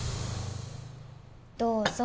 どうぞ。